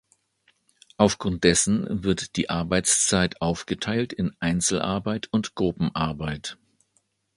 Aufgrund dessen wird die Arbeitszeit aufgeteilt in Einzelarbeit und Gruppenarbeit.